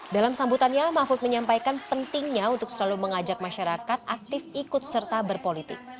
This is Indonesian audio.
dalam sambutannya mahfud menyampaikan pentingnya untuk selalu mengajak masyarakat aktif ikut serta berpolitik